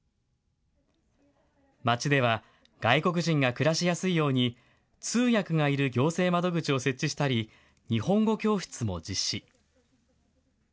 町では、外国人が暮らしやすいように、通訳がいる行政窓口を設置したり、日本語教室も実施。